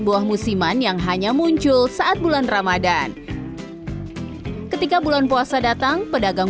buah musiman yang hanya muncul saat bulan ramadhan ketika bulan puasa datang pedagang